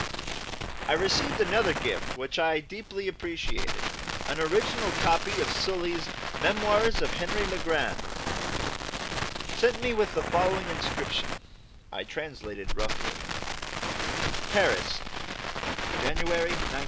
I received another gift which I deeply appreciated, an original copy of Sully's "Memoires" of "Henry le Grand," sent me with the following inscription (I translate it roughly): PARIS, January, 1906.